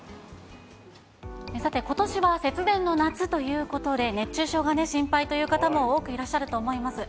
さて、ことしは節電の夏ということで、熱中症が心配という方も多くいらっしゃると思います。